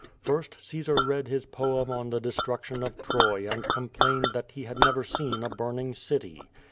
First, Caesar read his poem on the destruction of Troy and com plained that he had never seen a burning city.